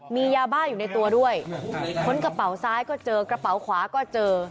มียาบ้าอยู่ในตัวด้วยค้นกระเป๋าซ้ายก็เจอกระเป๋าขวาก็เจอ